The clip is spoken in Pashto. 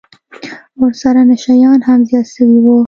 ورسره نشه يان هم زيات سوي وو.